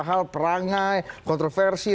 hal perangai kontroversi